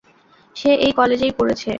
সে এই কলেজেই পড়েছে।